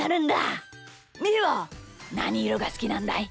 みーはなにいろがすきなんだい？